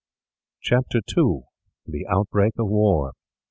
Chapter 2: The Outbreak of War.